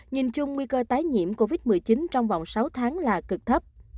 nhìn chung nguy cơ tái nhiễm covid một mươi chín trong vòng sáu tháng là cực thấp